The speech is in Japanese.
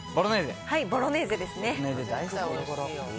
ボロネーゼですね。